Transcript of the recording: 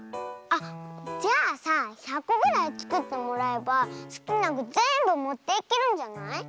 あっじゃあさ１００こぐらいつくってもらえばすきなぐぜんぶもっていけるんじゃない？